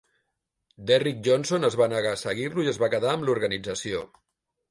Derrick Johnson es va negar a seguir-lo i es va quedar amb l'organització.